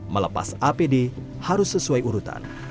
melepas apd harus sesuai urutan